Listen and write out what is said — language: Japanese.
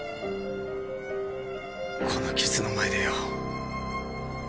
この傷の前でよ。